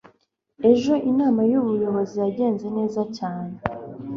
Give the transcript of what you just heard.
Ejo inama yubuyobozi yagenze neza cyane.